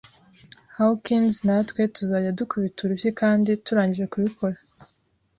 Hawkins, natwe tuzajya dukubita urushyi kandi turangije kubikora. ”